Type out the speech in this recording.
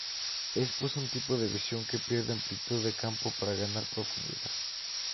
Es pues un tipo de visión que pierde amplitud de campo para ganar profundidad.